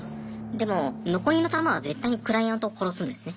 でも残りの弾は絶対にクライアントを殺すんですね。